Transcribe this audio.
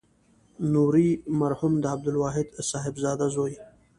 نوري مرحوم د عبدالواحد صاحبزاده زوی.